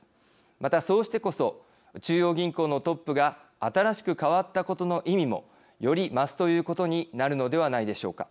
またそうしてこそ中央銀行のトップが新しく替わったことの意味もより増すということになるのではないでしょうか。